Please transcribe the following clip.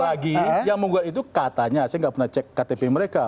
apalagi yang menggugat itu katanya saya nggak pernah cek ktp mereka